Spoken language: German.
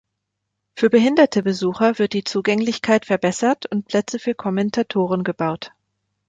Für behinderte Besucher wird die Zugänglichkeit verbessert und Plätze für Kommentatoren gebaut.